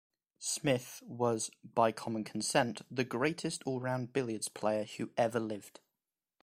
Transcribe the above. Smith was "by common consent, the greatest all-round billiards player who ever lived".